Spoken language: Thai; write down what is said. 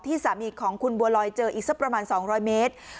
สามีของคุณบัวลอยเจออีกสักประมาณ๒๐๐เมตร